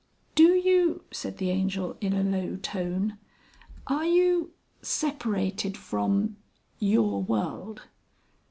"Do you," said the Angel in a low tone. "Are you ... separated from ... your world?"